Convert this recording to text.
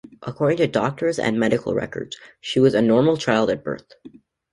According to doctors and medical records, she was a normal child at birth.